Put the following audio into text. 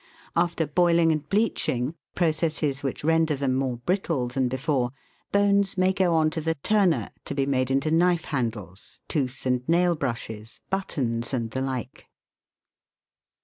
After boiling and bleaching processes which render them more brittle than before bones may go on to the turner, to be made into knife handles, tooth and nail brushes, buttons, and the like.